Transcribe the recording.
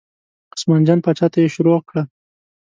عثمان جان پاچا ته یې شروع کړه.